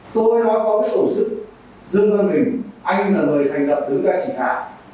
tôi nói có cái tổ chức dương văn mình anh là người thành đậm đứng dậy chỉ ngạc